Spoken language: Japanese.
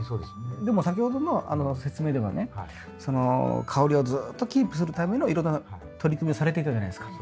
でも先ほどの説明ではね香りをずっとキープするためのいろんな取り組みをされていたじゃないですか。